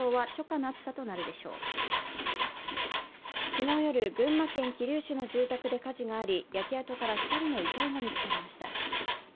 昨日夜、群馬県桐生市の住宅で火事があり、焼け跡から２人の遺体が見つかりました。